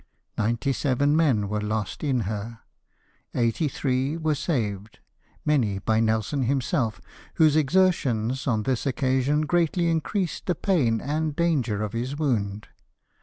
Ninety seven men were lost in her; eighty three were saved, many by Nelson himself, whose exertions on this occasion greatly increased the pain and danger of his wound.